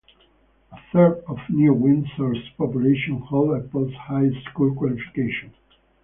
A third of New Windsor's population hold a post-high school qualification.